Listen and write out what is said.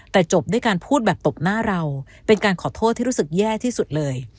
แต่จบด้วยการพูดแบบตบหน้าเราเป็นการขอโทษที่รู้สึกแย่ที่สุดเลย